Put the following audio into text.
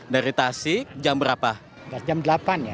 dari tasik jam berapa